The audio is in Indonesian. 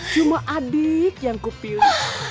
cuma adik yang kupilih